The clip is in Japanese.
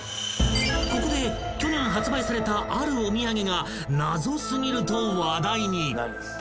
［ここで去年発売されたあるお土産が謎すぎると話題に］